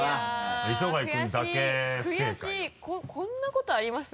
こんなことあります？